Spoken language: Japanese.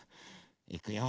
いくよ。